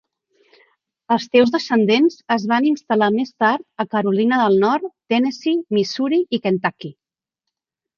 Els seus descendents es van instal·lar més tard a Carolina del Nord, Tennessee, Missouri i Kentucky.